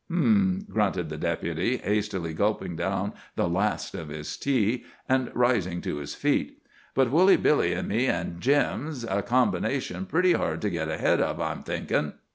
"H'm!" grunted the Deputy, hastily gulping down the last of his tea, and rising to his feet. "But Woolly Billy an' me and Jim's a combination pretty hard to git ahead of, I'm thinkin'."